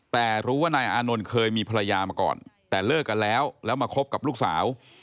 แต่รู้ว่านายอานนท์เคยมีภรรยามาก่อนแต่เลิกกันแล้วแล้วมาคบกับลูกสาว